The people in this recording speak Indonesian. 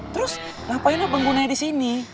terus ngapain abang ngunah disini